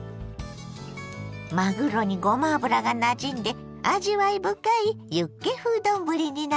まぐろにごま油がなじんで味わい深いユッケ風丼になりました。